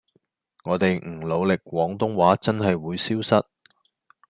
我地唔努力廣東話真係會消失